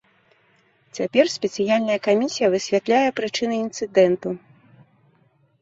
Цяпер спецыяльная камісія высвятляе прычыны інцыдэнту.